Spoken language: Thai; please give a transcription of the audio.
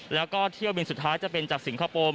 แล้วก็เที่ยวบินสุดท้ายจะเป็นจากสิงคโปร์